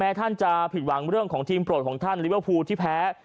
ท่านจะผิดหวังเรื่องของทีมโปรดของท่านลิเวอร์พูลที่แพ้